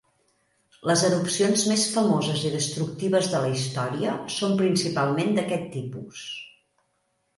Les erupcions més famoses i destructives de la història són principalment d'aquest tipus.